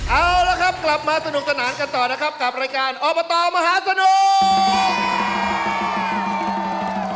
เอาละครับกลับมาสนุกสนานกันต่อนะครับกับรายการอบตมหาสนุก